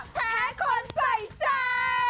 แพ้คนใจใจ